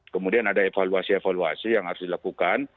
kemudian ada evaluasi evaluasi yang harus dilakukan